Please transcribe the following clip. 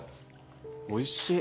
おいしい。